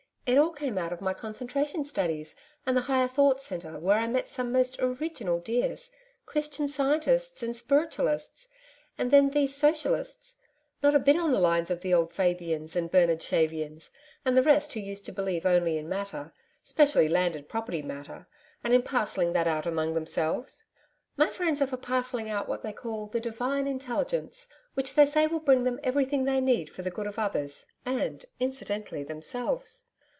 It all came out of my concentration studies and the Higher Thought Centre where I met some most original dears Christian Scientists and Spiritualists and then these Socialists not a bit on the lines of the old Fabians and Bernard Shavians and the rest who used to believe only in Matter specially landed property matter and in parcelling that out among themselves. My friends are for parcelling out what they call the Divine Intelligence, which they say will bring them everything they need for the good of others and, incidentally, themselves.